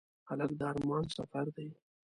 هلک د ارمان سفر دی.